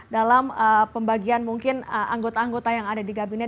dalam pembagian mungkin anggota anggota yang ada di kabinet